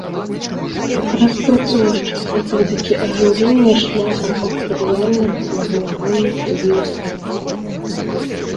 Распрацоўшчык методыкі ажыўлення шляхам артэрыяльнага нагнятання крыві ў сэрца.